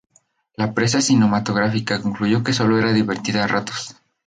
La prensa cinematográfica concluyó que sólo era divertida a ratos.